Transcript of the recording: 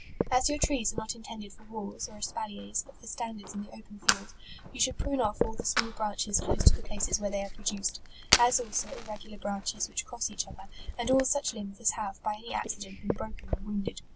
As your trees are not intended for walls, or espaliers, but for standards in the open field, you should prune off all the small branches close to the places where they are produ ced, as also irregular branches which cross each other, and all such limbs as have, by any accident, been broken or wounded.